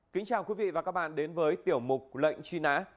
kính chào quý vị và các bạn đến với tiểu mục lệnh truy nã